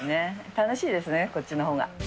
楽しいですね、こっちのほうが。